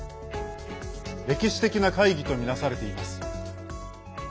歴史的な会議とみなされています。